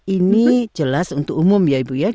ini jelas untuk umum ya ibu ya